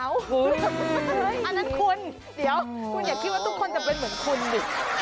อันนั้นคุณเดี๋ยวคุณอย่าคิดว่าทุกคนจะเป็นเหมือนคุณดิ